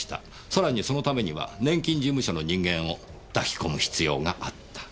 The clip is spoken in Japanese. さらにそのためには年金事務所の人間を抱き込む必要があった。